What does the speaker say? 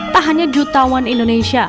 tak hanya jutawan indonesia